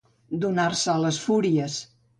Donar-se a les fúries.